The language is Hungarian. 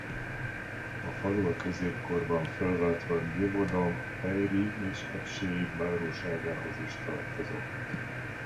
A falu a középkorban felváltva Gévaudan Peyre-i és Apcher-i báróságához is tartozott.